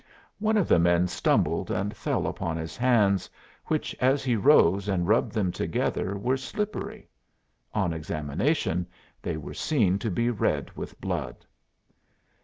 One of the men stumbled and fell upon his hands, which as he rose and rubbed them together were slippery. On examination they were seen to be red with blood.